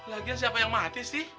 lagian siapa yang mati sih